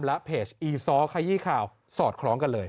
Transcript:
และเพจอีซ้อขยี้ข่าวสอดคล้องกันเลย